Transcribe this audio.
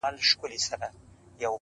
دا ده کوچي ځوانيمرگې نجلۍ تول دی”